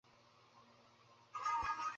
ফলাফল এখনও অপরিবর্তনীয়।